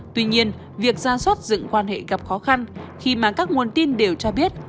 tuy nhiên việc ra soát dựng quan hệ gặp khó khăn khi mà các nguồn tin đều cho biết